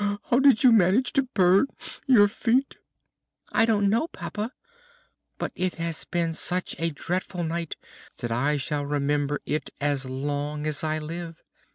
how did you manage to burn your feet?" "I don't know, papa, but it has been such a dreadful night that I shall remember it as long as I live.